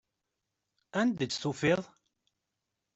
Anda i tt-tufiḍ?